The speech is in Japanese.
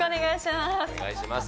お願いします。